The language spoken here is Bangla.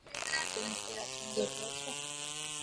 তুমি কি বাথরুমে লুকিয়ে আছো?